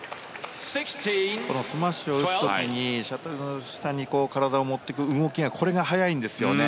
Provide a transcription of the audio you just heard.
スマッシュを打つ時にシャトルの下に体を持っていく動きが速いんですよね。